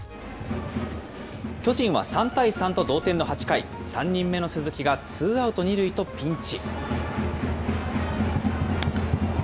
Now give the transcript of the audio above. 巨人は３対３と同点の８回、３人目の鈴木がツーアウト２塁とピンチ。